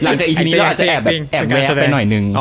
หลังจากอีพีนี้เราจะแอบแว๊บไปหน่อยหนึ่ง